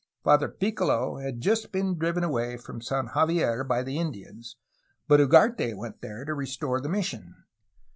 Father Piccolo had just been driven away from San Javier by the Indians, but Ugarte went there to restore the mission.